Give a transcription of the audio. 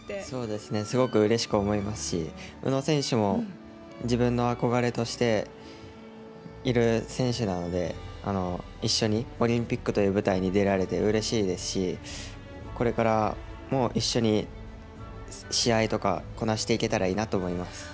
すごくうれしく思いますし、宇野選手も、自分の憧れとしている選手なので、一緒にオリンピックという舞台に出られてうれしいですし、これからも一緒に試合とかこなしていけたらいいなと思います。